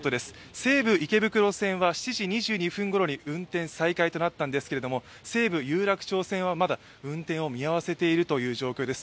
西武池袋線は７時２２分ごろに運転再開となったんですけれども西武有楽町線は、まだ運転を見合わせているという状況です。